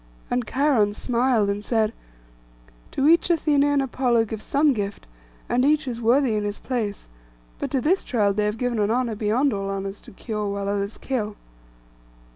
And Cheiron smiled, and said, 'To each Athené and Apollo give some gift, and each is worthy in his place; but to this child they have given an honour beyond all honours, to cure while others kill.